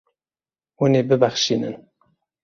Hûn ê bibexşînin.